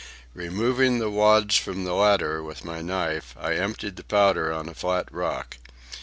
Removing the wads from the latter with my knife, I emptied the powder on a flat rock.